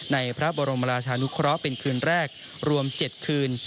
ในพระบรมราชานุเคราะห์เป็นคืนแรกรวม๗คืน